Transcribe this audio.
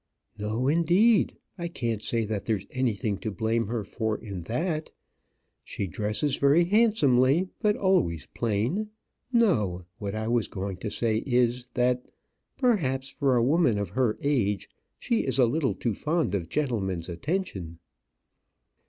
"No, indeed. I can't say that there's anything to blame her for in that. She dresses very handsomely, but always plain. No; what I was going to say is, that perhaps for a woman of her age she is a little too fond of gentlemen's attention."